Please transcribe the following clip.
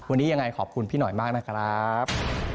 วันนี้ยังไงขอบคุณพี่หน่อยมากนะครับ